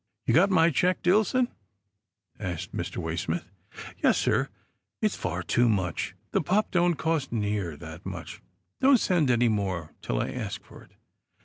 " You got my check, Dillson ?" asked Mr. Way smith. " Yes sir, it's far too much. The pup don't cost near that much. Don't send any more till I ask for it."